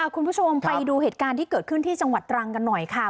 คุณผู้ชมไปดูเหตุการณ์ที่เกิดขึ้นที่จังหวัดตรังกันหน่อยค่ะ